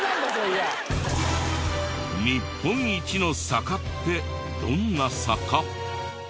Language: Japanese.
日本一の坂ってどんな坂？